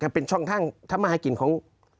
เป็นช่องทางทำมาหากินของ